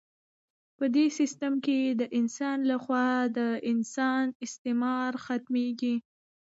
په دې سیستم کې د انسان لخوا د انسان استثمار ختمیږي.